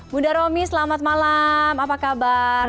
bunda romi selamat malam apa kabar